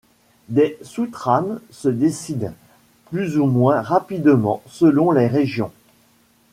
Des sous-trames se dessinent, plus ou moins rapidement selon les régions.